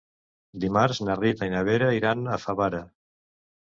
Dimarts na Rita i na Vera iran a Favara.